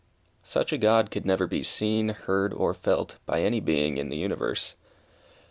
Such a God could never be seen, heard, or felt, by any being in the universe.